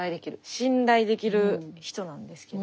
信頼できる人なんですけど。